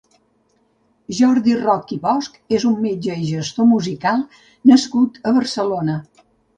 Jordi Roch i Bosch és un metge i gestor musical nascut a Barcelona.